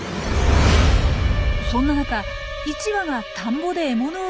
そんな中１羽が田んぼで獲物を探し始めます。